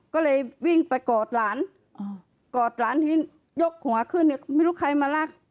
ก็เลยวิ่งไปกอดหลานกอดหลานที่ยกหัวขึ้นเนี่ยไม่รู้ใครมารัก